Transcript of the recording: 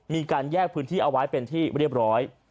มีการแยกพื้นที่เอาไว้เป็นที่เรียบร้อย